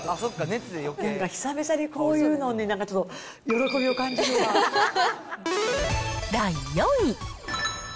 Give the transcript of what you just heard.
なんか久々にこういうのでなんかちょっと喜第４位。